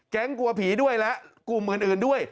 กลัวผีด้วยและกลุ่มอื่นด้วย